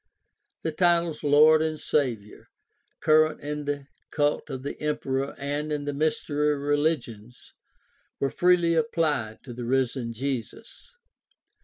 The titles "Lord" and "Savior," current in the cult of the emperor and in the mystery religions, were freely applied to the risen Jesus.